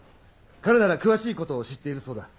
彼なら詳しいことを知っているそうだ。